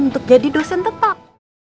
untuk jadi dosen tetap